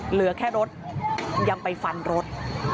เหลือแค่รถยังไปฟันรถ